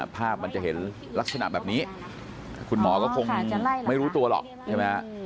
ภาพมันจะเห็นลักษณะแบบนี้คุณหมอก็คงไม่รู้ตัวหรอกใช่ไหมฮะ